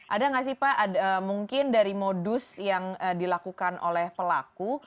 ada nggak sih pak mungkin dari modus yang dilakukan oleh pelaku